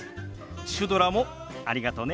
シュドラもありがとね。